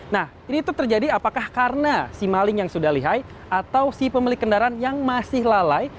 nah ini itu terjadi apakah karena si maling yang sudah lihai atau si pemilik kendaraan yang masih lalai